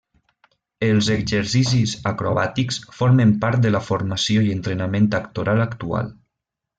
Els exercicis acrobàtics formen part de la formació i entrenament actoral actual.